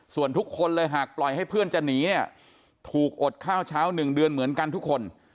ส่วนทุกคนเลยหากปล่อยให้เพื่อนจะหนีเนี่ยถูกอดข้าวเช้า๑เดือนเหมือนกันทุกคน